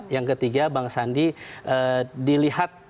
yang ketiga bang sandi dilihat